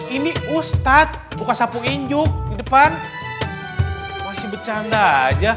ini ustadz buka sapu inju di depan masih bercanda aja